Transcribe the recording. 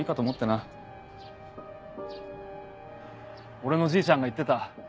俺のじいちゃんが言ってた。